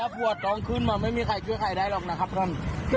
ถ้าผัวตรงขึ้นมาไม่มีใครเชื่อใครได้หรอกนะครับครับ